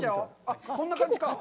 こんな感じか。